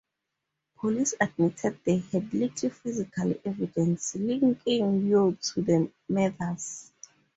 Police admitted they had little physical evidence linking Yoo to the murders.